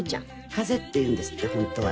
風っていうんですって本当は。